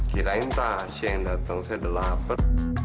kirain tas yang dateng saya delapet